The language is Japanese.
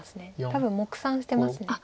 多分目算してます。